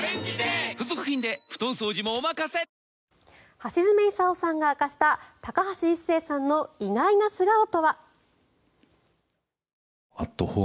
橋爪功さんが明かした高橋一生さんの意外な素顔とは？